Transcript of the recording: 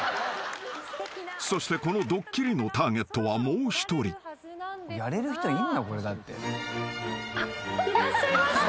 ［そしてこのドッキリのターゲットはもう一人］いらっしゃいました。